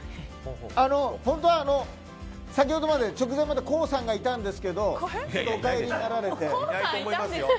本当は先ほどまで直前までＫＯＯさんがいたんですけどお帰りになられて。